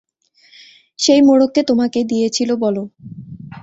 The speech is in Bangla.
সেই মোড়ক কে তোমাকে দিয়েছিল বলো।